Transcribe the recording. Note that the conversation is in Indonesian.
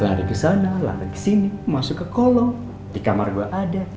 lari kesana lari kesini masuk ke kolom di kamar gue ada